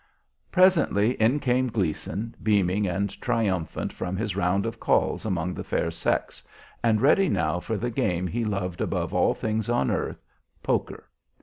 Presently in came Gleason, beaming and triumphant from his round of calls among the fair sex, and ready now for the game he loved above all things on earth, poker.